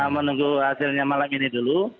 menunggu hasilnya malam ini dulu